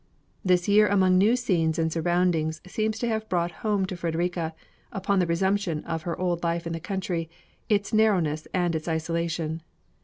This year among new scenes and surroundings seems to have brought home to Fredrika, upon the resumption of her old life in the country, its narrowness and its isolation.